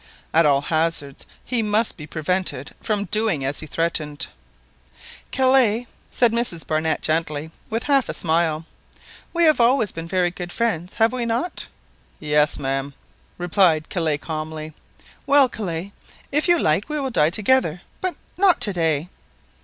At all hazards he must be prevented from doing as he threatened. "Kellet," said Mrs Barnett gently, with a half smile, "we have always been very good friends, have we not?" "Yes, ma'am," replied Kellet calmly. "Well, Kellet, if you like we will die together, but not to day."